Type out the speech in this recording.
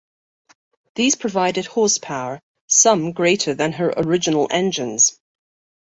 These provided horsepower, some greater than her original engines.